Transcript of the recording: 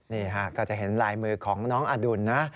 นี่ค่ะก็จะเห็นลายมือของน้องอดุลนะ